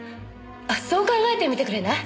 そう考えてみてくれない？